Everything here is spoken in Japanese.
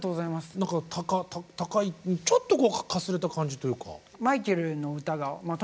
何か高いちょっとこうかすれた感じというか。